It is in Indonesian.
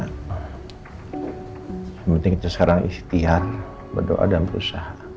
yang penting kita sekarang istiar berdoa dan berusaha